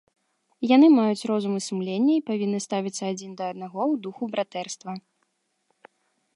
Яны маюць розум і сумленне, і павінны ставіцца адзін да аднаго ў духу братэрства.